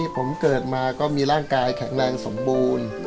ผมเกิดมาก็มีร่างกายแข็งแรงสมบูรณ์